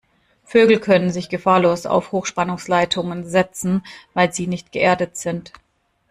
Vögel können sich gefahrlos auf Hochspannungsleitungen setzen, weil sie nicht geerdet sind.